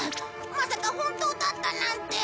まさか本当だったなんて。